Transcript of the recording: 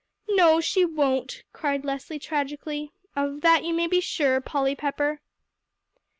"No, she won't," cried Leslie tragically; "of that you may be sure, Polly Pepper."